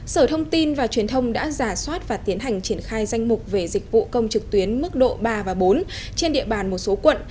sở thông tin và truyền thông đã giả soát và tiến hành triển khai danh mục về dịch vụ công trực tuyến mức độ ba và bốn trên địa bàn một số quận